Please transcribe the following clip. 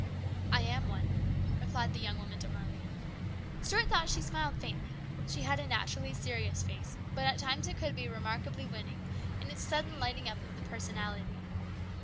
" I am one," replied the young woman demurely. Stuart thought she smiled faintly. She had a naturally serious face, but at times it could be remarkably winning in its sudden lighting up of the personality.